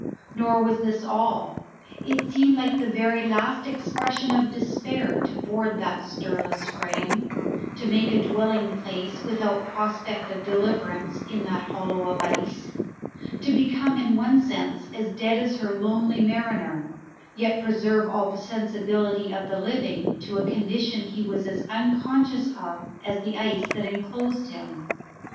Nor was this all. It seemed like the very last expression of despair to board that stirless frame; to make a dwelling place, without prospect of deliverance, in that hollow of ice; to become in one sense as dead as her lonely mariner, yet preserve all the sensibility of the living to a condition he was as unconscious of as the ice that enclosed him.